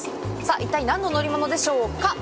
一体、何の乗り物でしょうか？